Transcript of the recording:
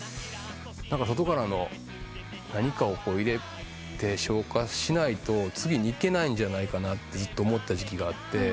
外からの何かを入れて昇華しないと次にいけないんじゃないかって思ってた時期があって。